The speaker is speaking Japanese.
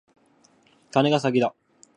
カネが先だ。